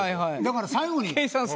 だから最後に。